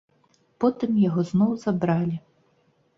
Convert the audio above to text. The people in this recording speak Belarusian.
Потым яго зноў забралі.